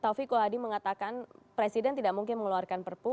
taufiq quhadi mengatakan presiden tidak mungkin mengeluarkan perpu